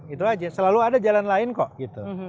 itu aja selalu ada jalan lain kok gitu